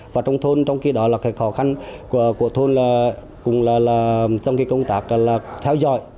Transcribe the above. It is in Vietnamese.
và trong thôn trong khi đó là cái khó khăn của thôn là cũng là trong cái công tác là theo dõi